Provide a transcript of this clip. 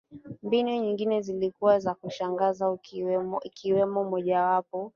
Mbinu nyingine zilikuwa za kushangaza ikiwemo mojawapo